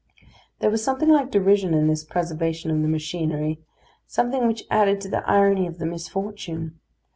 There was something like derision in this preservation of the machinery; something which added to the irony of the misfortune.